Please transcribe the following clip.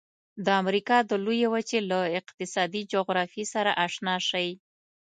د امریکا د لویې وچې له اقتصادي جغرافیې سره آشنا شئ.